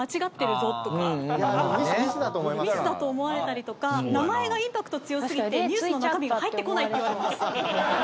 ミスだと思われたりとか名前がインパクト強すぎてニュースの中身が入ってこないって言われます。